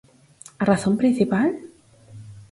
A razón principal?